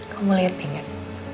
kamu liat inget